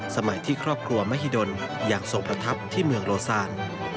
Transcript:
สมัยที่ครอบครัวมหิดลอย่างทรงประทับที่เมืองโลซาน